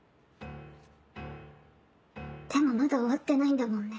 でもまだ終わってないんだもんね。